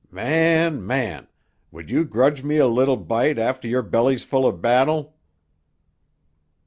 Man, man! Would you grudge me a little bite after your belly's full of battle?"